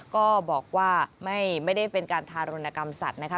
ก็บอกว่าไม่ได้เป็นการทารุณกรรมสัตว์นะคะ